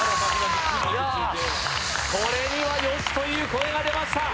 これには、よしという声が出ました